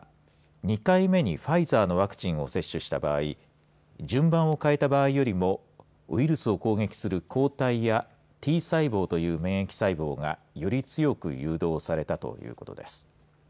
２回目にファイザーのワクチンを接種した場合順番をかえた場合よりもウイルスを攻撃する抗体やＴ細胞という免疫細胞がより強く誘導されたということです。